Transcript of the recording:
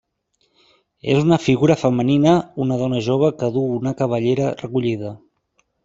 És una figura femenina, una dona jove que duu la cabellera recollida.